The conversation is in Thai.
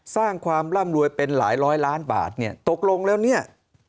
สร้างความร่ำรวยเป็นหลายร้อยล้านบาทเนี่ยตกลงแล้วเนี่ย